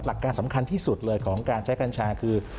หลักการสำคัญที่สุดเลยของการใช้กัญชาคือ